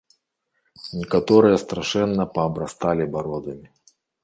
Некаторыя страшэнна паабрасталі бародамі.